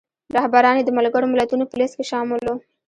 رهبران یې د ملګرو ملتونو په لیست کې شامل وو.